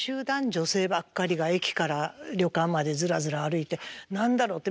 女性ばっかりが駅から旅館までずらずら歩いて何だろう？って